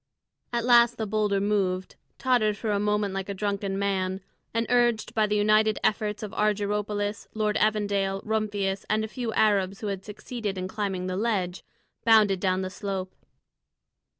At last the boulder moved, tottered for a moment like a drunken man, and, urged by the united efforts of Argyropoulos, Lord Evandale, Rumphius, and a few Arabs who had succeeded in climbing the ledge, bounded down the slope.